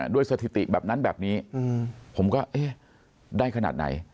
ด้วยเศรษฐิติแบบนั้นแบบนี้ผมก็ได้ขนาดไหน